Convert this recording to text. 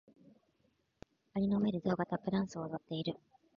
蟻の上でゾウがタップダンスを踊っている。